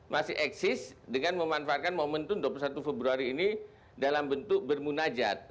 masih eksis dengan memanfaatkan momentum dua puluh satu februari ini dalam bentuk bermunajat